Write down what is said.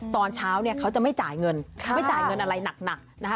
ตอนเช้าเนี่ยเขาจะไม่จ่ายเงินไม่จ่ายเงินอะไรหนักนะคะ